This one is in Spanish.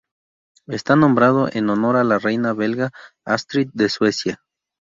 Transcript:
Está nombrado en honor de la reina belga Astrid de Suecia.